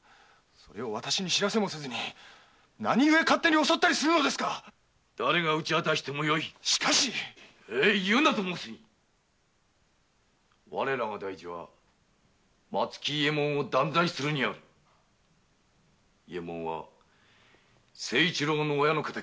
わたしにも報せずなぜ勝手に襲ったりするのですかだれが討とうとよいしかし言うなと申すに我らが大事は松木伊右衛門を断罪するにある伊右衛門は誠一郎の親の敵。